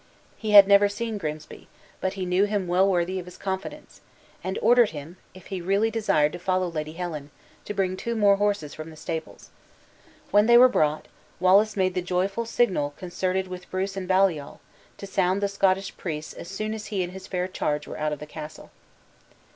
He had never seen Grimsby, but he knew him well worthy of his confidence; and ordered him (if he really desired to follow Lady Helen) to bring two more horses from the stables. When they were brought, Wallace made the joyful signal concerted with Bruce and Baliol, to sound the Scottish pryse as soon as he and his fair charge were out of the castle.